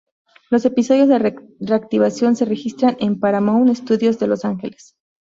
Los episodios de reactivación se registran en Paramount Studios en Los Ángeles.